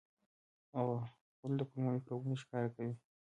غول د کولمو میکروبونه ښکاره کوي.